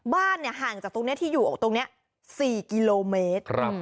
บ้านห่างจากตรงนี้ที่อยู่ตรงนี้๔กิโลเมตร